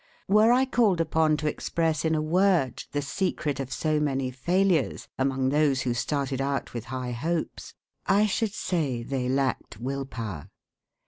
Were I called upon to express in a word the secret of so many failures among those who started out with high hopes, I should say they lacked will power.